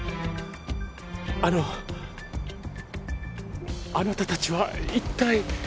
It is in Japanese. あのあなたたちは一体？